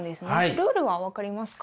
ルールは分かりますか？